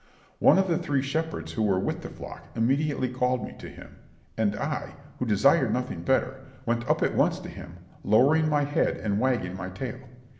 One of the three shepherds who were with the flock immediately called me to him, and I, who desired nothing better, went up at once to him, lowering my head and wagging my tail.